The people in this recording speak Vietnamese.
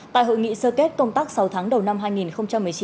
tại hội nghị sơ kết công tác sáu tháng đầu năm hai nghìn một mươi chín